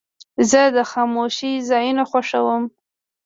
زه د خاموشۍ ځایونه خوښوم.